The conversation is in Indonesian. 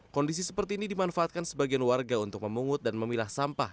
kondisi seperti ini dimanfaatkan sebagian warga untuk memungut dan memilah sampah